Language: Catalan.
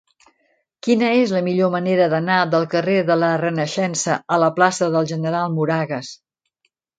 Quina és la millor manera d'anar del carrer de la Renaixença a la plaça del General Moragues?